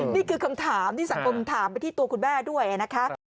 นี่คือคำถามที่สังคมถามไปที่ตัวคุณแม่ด้วยนะคะ